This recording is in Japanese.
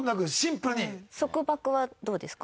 束縛はどうですか？